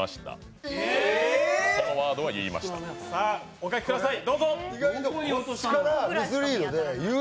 お書きください、どうぞ。